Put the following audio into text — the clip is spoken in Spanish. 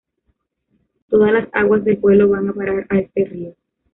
Todas las aguas del pueblo van a parar a este río.